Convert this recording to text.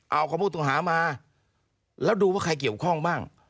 เอาคำพูดตรงหามาแล้วดูว่าใครเกี่ยวข้องบ้าง